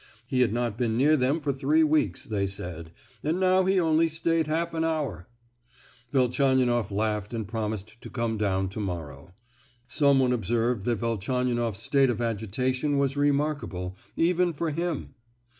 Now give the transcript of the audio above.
He had not been near them for three weeks, they said, and now he only stayed half an hour! Velchaninoff laughed and promised to come down to morrow. Someone observed that Velchaninoff's state of agitation was remarkable, even for him!